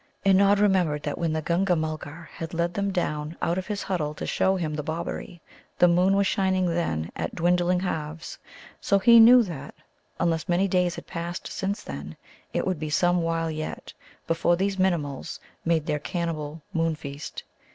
And Nod remembered that when the Gunga mulgar had led him down out of his huddle to show him the Bobberie, the moon was shining then at dwindling halves. So he knew that, unless many days had passed since then, it would be some while yet before these Minimuls made their cannibal Moon feast.